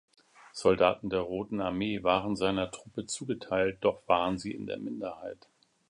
Soldaten der Roten Armee waren seiner Truppe zugeteilt, doch waren sie in der Minderheit.